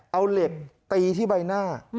เอาเหล็กตีที่ใบหน้า